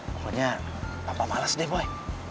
pokoknya papa males deh boy